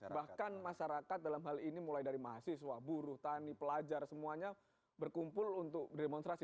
bahkan masyarakat dalam hal ini mulai dari mahasiswa buruh tani pelajar semuanya berkumpul untuk berdemonstrasi